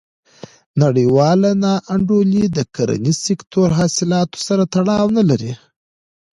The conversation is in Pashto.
نړیواله نا انډولي د کرنیز سکتور حاصلاتو سره تړاو نه لري.